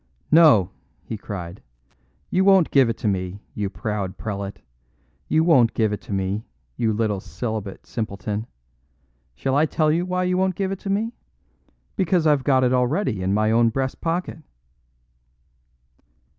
"No," he cried, "you won't give it me, you proud prelate. You won't give it me, you little celibate simpleton. Shall I tell you why you won't give it me? Because I've got it already in my own breast pocket."